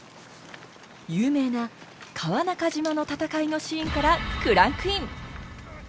有名な川中島の戦いのシーンからクランクイン！